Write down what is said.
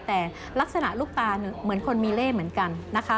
แต่ลักษณะลูกตาเหมือนคนมีเล่เหมือนกันนะคะ